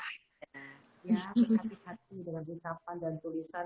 ya berkati kati dengan ucapan dan tulisan